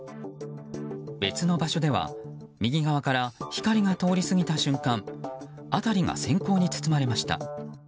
別の場所では右側から光が通り過ぎた瞬間辺りが閃光に包まれました。